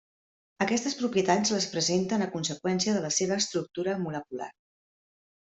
Aquestes propietats les presenten a conseqüència de la seva estructura molecular.